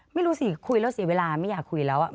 ไม่รู้สิคุยแล้วเสียเวลาไม่อยากคุยแล้ว